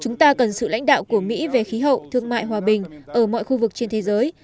chúng ta cần sự lãnh đạo của mỹ về khí hậu thương mại hòa bình ở mọi khu vực trên thế giới